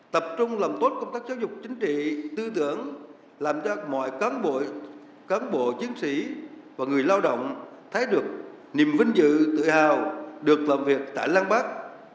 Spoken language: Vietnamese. tập trung làm tốt công tác giáo dục chính trị tư tưởng làm cho mọi cán bộ cán bộ chiến sĩ và người lao động thấy được niềm vinh dự tự hào được làm việc tại lăng bắc